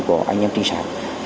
của anh em trinh sát